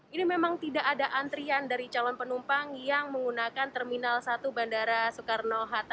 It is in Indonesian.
ini memang tidak ada antrian dari calon penumpang yang menggunakan terminal satu bandara soekarno hatta